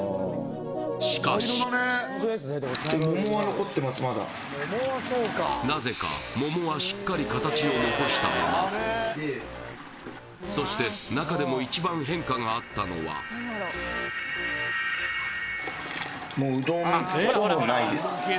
しかしなぜか桃はしっかり形を残したままそして中でも一番変化があったのはうどんほぼないです